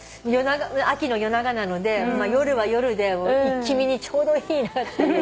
秋の夜長なので夜は夜で一気見にちょうどいいなっていう。